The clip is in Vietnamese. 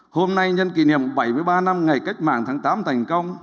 hôm nay nhân kỷ niệm bảy mươi ba năm ngày cách mạng tháng tám thành công